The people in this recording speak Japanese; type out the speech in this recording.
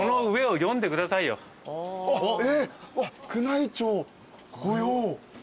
宮内庁御用。